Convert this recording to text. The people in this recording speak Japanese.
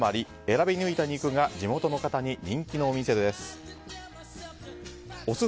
選び抜いた肉が地元の方に人気のお店です。